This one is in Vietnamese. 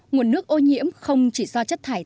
nguồn nước ô nhiễm không chỉ do chất thải